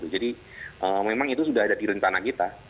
jadi memang itu sudah ada di rencana kita